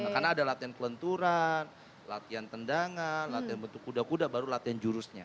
karena ada latihan kelenturan latihan tendangan latihan bentuk kuda kuda baru latihan jurusnya